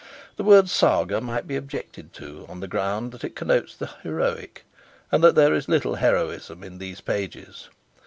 The word Saga might be objected to on the ground that it connotes the heroic and that there is little heroism in these pages.